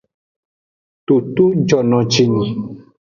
Toto jonojini.